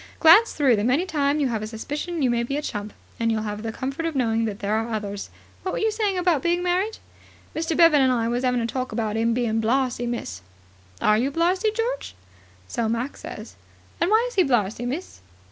Glance through them any time you have a suspicion you may be a chump, and you'll have the comfort of knowing that there are others. What were you saying about being married?" "Mr. Bevan and I was 'aving a talk about 'im being blarzy, miss." "Are you blarzy, George?" "So Mac says." "And why is he blarzy, miss?"